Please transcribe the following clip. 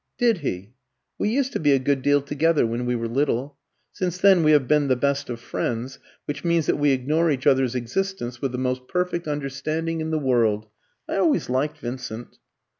"Did he? We used to be a good deal together when we were little. Since then we have been the best of friends, which means that we ignore each other's existence with the most perfect understanding in the world. I always liked Vincent."